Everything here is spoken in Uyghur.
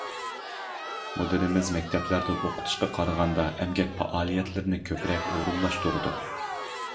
مۇدىرىمىز مەكتەپلەردە ئوقۇتۇشقا قارىغاندا ئەمگەك پائالىيەتلىرىنى كۆپرەك ئورۇنلاشتۇرىدۇ.